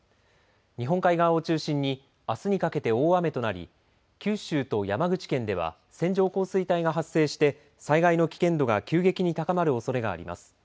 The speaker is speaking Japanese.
日本海側を中心にあすにかけて大雨となり九州と山口県では線状降水帯が発生して災害の危険度が急激に高まるおそれがあります。